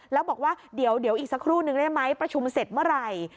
แล้วบอกว่าเดี๋ยวอีกสักครู่นึงได้ไหมประชุมเสร็จเมื่อไหร่